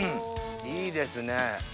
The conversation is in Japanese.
いいですね。